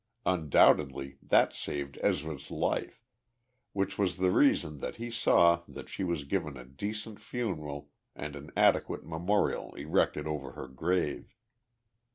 Undoubtedly, that saved Ezra's life which was the reason that he saw that she was given a decent funeral and an adequate memorial erected over her grave.